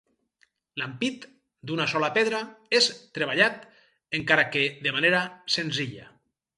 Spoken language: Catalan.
L'ampit, d'una sola pedra, és treballat; encara que de manera senzilla.